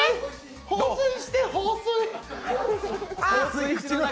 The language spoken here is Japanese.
放水して、放水。